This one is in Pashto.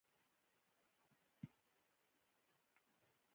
او د آى اس آى جاسوس.